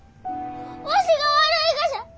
わしが悪いがじゃ！